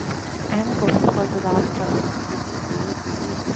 I'm going for the doctor.